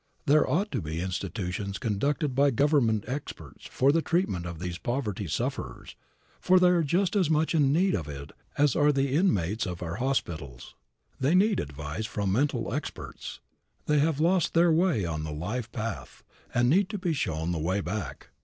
There ought to be institutions conducted by government experts for the treatment of these poverty sufferers, for they are just as much in need of it as are the inmates of our hospitals. They need advice from mental experts. They have lost their way on the life path, and need to be shown the way back.